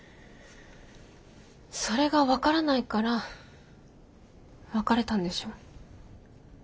それが分からないから別れたんでしょ。